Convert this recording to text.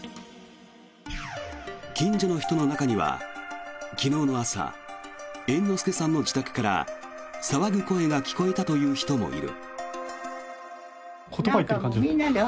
近所の人の中には昨日の朝、猿之助さんの自宅から騒ぐ声が聞こえたという人もいる。